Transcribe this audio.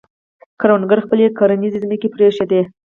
کروندګرو خپلې کرنیزې ځمکې پرېښودې.